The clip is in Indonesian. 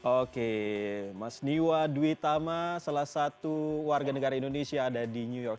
oke mas niwa dwi tama salah satu warga negara indonesia ada di new york